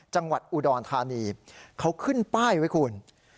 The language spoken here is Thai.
จังหวัดอุดรธานีเขาขึ้นป้ายไว้คุณ